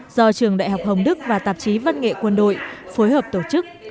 do trường đại học hồng đức và tạp chí văn nghệ quân đội phối hợp tổ chức